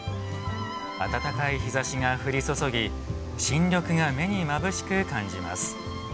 暖かい日差しが降り注ぎ新緑が目にまぶしく感じます。